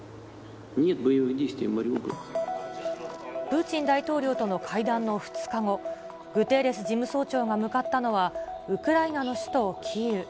プーチン大統領との会談の２日後、グテーレス事務総長が向かったのは、ウクライナの首都キーウ。